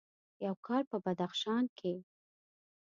یو کال په بدخشان کې: